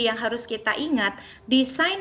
yang harus kita ingat desain